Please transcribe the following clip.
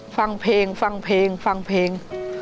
ฟังเพลงฟังเพลงฟังเพลง